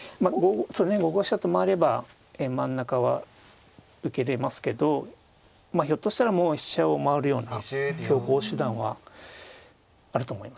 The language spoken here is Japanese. ５五飛車と回れば真ん中は受けれますけどひょっとしたらもう飛車を回るような強硬手段はあると思いますね。